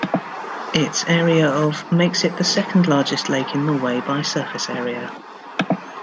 Its area of makes it the second largest lake in Norway by surface area.